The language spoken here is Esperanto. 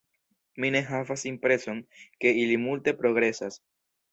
Mi ne havas impreson, ke ili multe progresas.